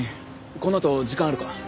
このあと時間あるか？